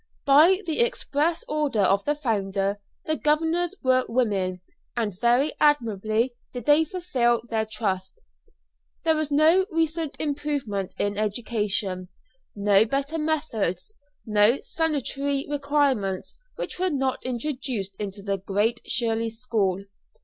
By the express order of the founder, the governors were women; and very admirably did they fulfil their trust. There was no recent improvement in education, no better methods, no sanitary requirements which were not introduced into the Great Shirley School.